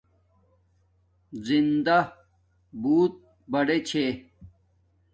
زندݳ بوت بڑے چھے